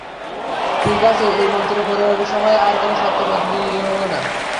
ঠিক আছে, এই মন্ত্র প্রয়োগের সময়ে আর কোনো শর্ত বদলিও না।